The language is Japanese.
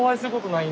はい。